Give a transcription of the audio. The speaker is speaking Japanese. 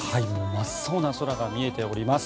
真っ青な空が見えております。